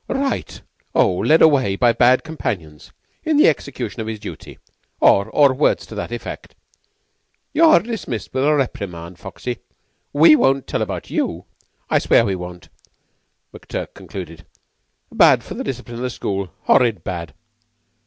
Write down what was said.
"Right, O! Led away by bad companions in the execution of his duty or or words to that effect. You're dismissed with a reprimand, Foxy. We won't tell about you. I swear we won't," McTurk concluded. "Bad for the discipline of the school. Horrid bad."